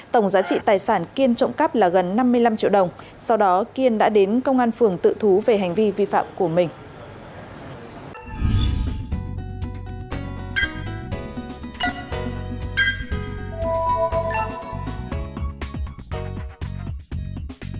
tổng giá trị tài sản kiên trộm cắp là gần năm mươi năm triệu đồng sau đó kiên đã đến công an phường tự thú về hành vi vi phạm của mình